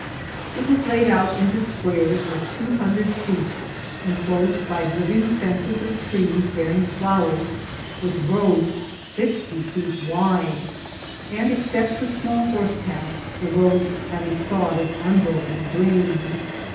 It was laid out into squares of two hundred feet. THE SACRAMSKT VOK THS DTINO. 868 enclosed bj liying fences of trees bearing flowers, with roads sixty feet wide ; and, except the small horsepath, the roads had a sod of unbroken green.